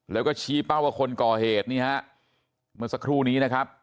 แล้วก็ชี้เป้าว่าคนก่อเหตุนี่ฮะเมื่อสักครู่นี้นะครับ